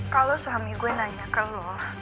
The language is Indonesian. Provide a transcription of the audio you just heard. kalau suami gue nanya ke lo